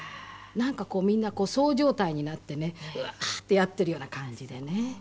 なんかこうみんな躁状態になってね「うわー！」ってやっているような感じでね。